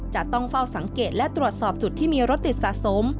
จะต้องเฝ้าสังเกตและตรวจสอบจุดที่มีรถติดสะสม